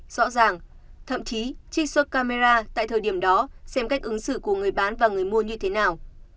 rõ ràng thậm chí trích xuất camera tại thời điểm đó xem cách ứng xử của người bán và người mua như thế nào